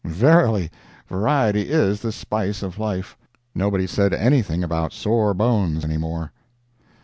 Verily, variety is the spice of life. Nobody said anything about sore bones anymore.